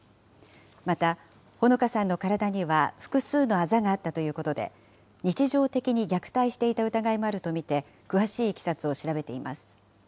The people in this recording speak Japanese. また、ほのかさんの体には複数のあざがあったということで、日常的に虐待していた疑いもあると見て、詳しいいきさつを調べています。